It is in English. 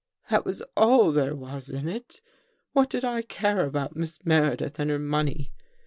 " That was all there was in it. What did I care about Miss Meredith and her money?